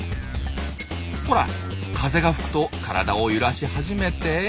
ほら風が吹くと体を揺らし始めて。